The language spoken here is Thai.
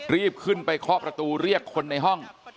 รีบขึ้นไปเคาะประตูเรียกคนในห้อง